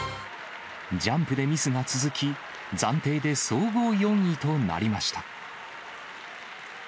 ジャンプでミスが続き、暫定で総合４位となりました。